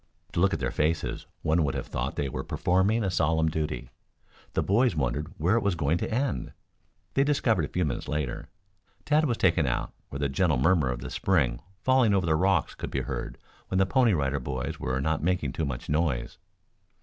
To look at their faces one would have thought they were performing a solemn duty. The boys wondered where it was going to end. They discovered a few minutes later. Tad was taken out where the gentle murmur of the Spring falling over the rocks could be heard when the Pony Rider Boys were not making too much noise.